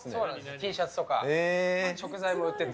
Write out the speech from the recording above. Ｔシャツとか、食材も売ってて。